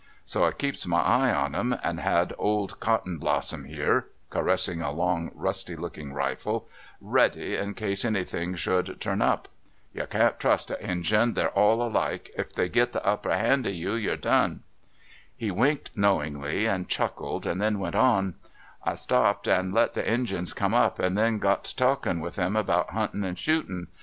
So I keeps ray eye on 'em, and had old Cottonblossom here [caressing a long, rusty looking rifle] ready in case any thing Jlie Ethics of Grizzly Hunting. 109 sliould turn up. You can't ti'ust a Injun — tliey 'le all alike; if tliey git the upper hand of you, you 'le gone !" He winked knowingly and cliuckled, and tlieu ft^ent on : "I stopped and let the Injuns come up, and then got to talkin' with 'em about huutin' and shootin'.